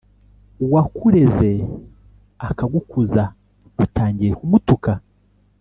uwakureze akagukuza, utangiye kumutuka